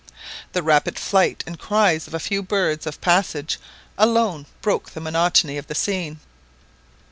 The rapid flight and cries of a few birds of passage alone broke the monotony of the scene.